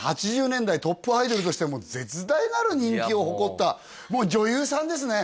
８０年代トップアイドルとしても絶大なる人気を誇ったもう女優さんですね